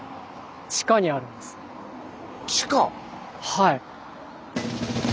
はい。